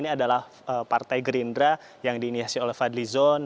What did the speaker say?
ini adalah partai gerindra yang diinisiasi oleh fadli zon